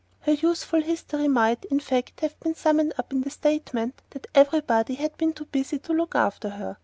Her youthful history might, in fact, have been summed up in the statement that everybody had been too busy to look after her.